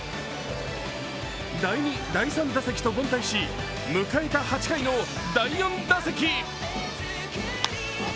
第２、第３打席と凡退し迎えた８回の第４打席